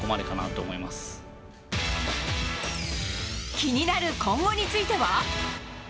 気になる今後については？